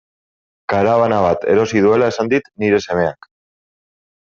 Karabana bat erosi duela esan dit nire semeak.